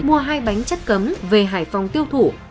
mua hai bánh chất cấm về hải phòng tiêu thụ